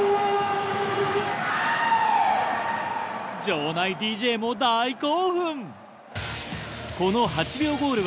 場内ＤＪも大興奮！